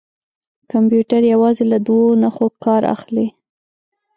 کمپیوټر یوازې له دوه نښو کار اخلي.